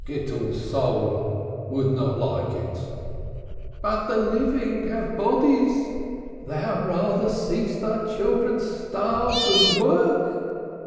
"Gittel's soul would not like it." "But the living have bodies! Thou rather seest thy children starve than work.